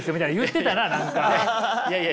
いやいや。